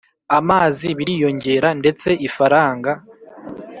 Amazi biriyongera ndetse ifaranga